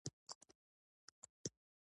ویل به یې ښادي راشي، مړی او ژوندی شي.